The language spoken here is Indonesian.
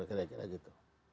kita cakap itu